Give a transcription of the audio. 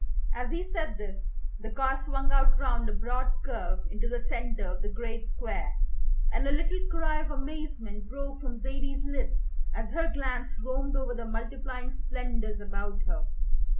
As he said this the car swung out round a broad curve into the centre of the great square, and a little cry of amazement broke from Zaidie's lips as her glance roamed over the multiplying splendours about her.